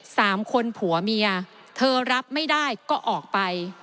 สามคนผัวเมียเธอรับไม่ได้ก็ออกไป